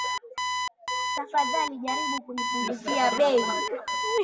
Tafadhali jaribu kunipunguza bei!